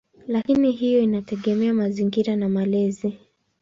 Lakini hiyo inategemea mazingira na malezi.